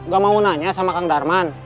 gak mau nanya sama kang darman